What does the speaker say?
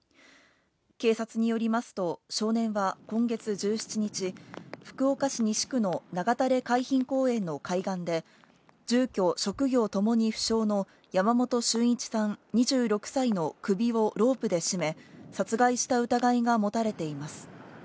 警察によりますと、少年は今月１７日、福岡市西区の長垂海浜公園の海岸で、住居・職業ともに不詳の山本駿一さん２６歳の首をロープで絞め、殺害した疑いが持たれています。